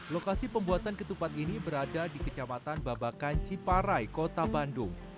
lokasi pembuatan ketupat ini berada di kecamatan babakan ciparai kota bandung